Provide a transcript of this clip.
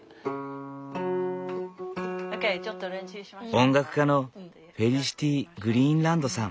音楽家のフェリシティ・グリーンランドさん。